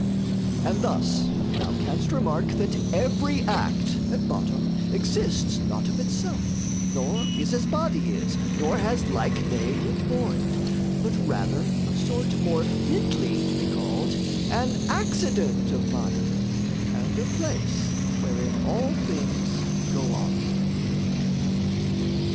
And thus thou canst remark that every act At bottom exists not of itself, nor is As body is, nor has like name with void; But rather of sort more fitly to be called An accident of body, and of place Wherein all things go on.